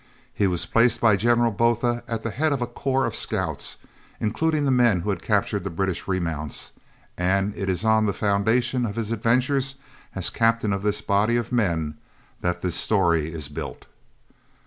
He was placed by General Botha at the head of a corps of scouts, including the men who had captured the British remounts, and it is on the foundation of his adventures as captain of this body of men that this story is built.